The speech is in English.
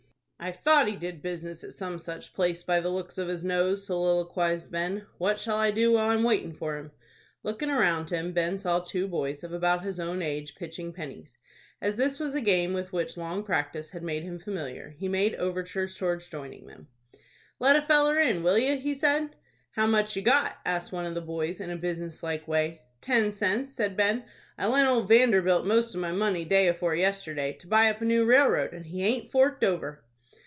"I thought he did business at some such place by the looks of his nose," soliloquized Ben. "What shall I do while I'm waitin' for him?" Looking around him, Ben saw two boys of about his own age pitching pennies. As this was a game with which long practice had made him familiar, he made overtures towards joining them. "Let a feller in, will you?" he said. "How much you got?" asked one of the boys, in a business like way. "Ten cents," said Ben. "I lent old Vanderbilt most of my money day afore yesterday, to buy up a new railroad, and he haint forked over."